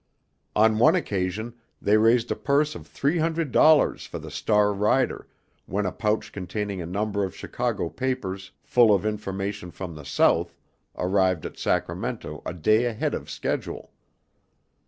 On one occasion they raised a purse of three hundred dollars for the star rider when a pouch containing a number of Chicago papers full of information from the South arrived at Sacramento a day ahead of schedule.